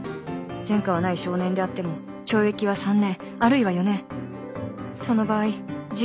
前科はない少年であっても懲役は３年あるいは４年その場合実刑？